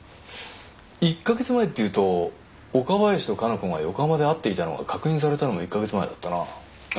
１ヵ月前っていうと岡林と加奈子が横浜で会っていたのが確認されたのも１ヵ月前だったなあっ